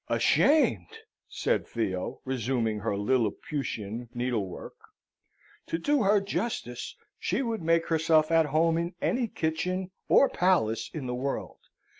"Ashamed!" said Theo, resuming her lilliputian needlework. "To do her justice, she would make herself at home in any kitchen or palace in the world.